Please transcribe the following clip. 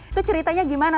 itu ceritanya gimana